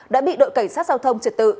đã bị đội cảnh sát giao thông triệt tự